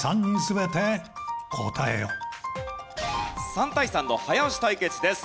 ３対３の早押し対決です。